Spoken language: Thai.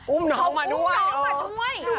อุ้มน้องมาด้วย